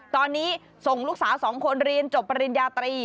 ตอนนี้ส่งลูกสาว๒คนเรียนจบปริญญาตรี